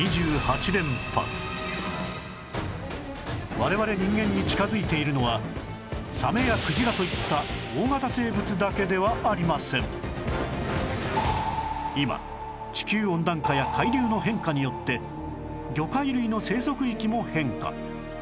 我々人間に近づいているのはサメやクジラといった今地球温暖化や海流の変化によって魚介類の生息域も変化